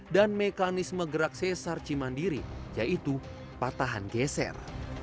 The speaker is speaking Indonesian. dan mekanisme gerak cesar cimandiri yaitu patahan geser